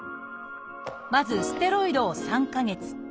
まずステロイドを３か月。